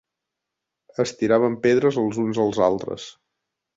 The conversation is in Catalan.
Es tiraven pedres els uns als altres.